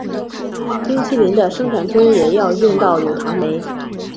冰淇淋的生产中也要用到乳糖酶。